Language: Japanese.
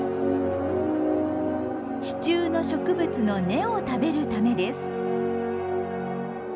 地中の植物の根を食べるためです。